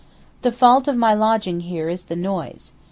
The fault of my lodging here is the noise.